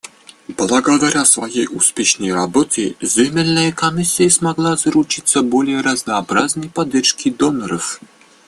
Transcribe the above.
Благодаря своей успешной работе Земельная комиссия смогла заручиться более разнообразной поддержкой доноров.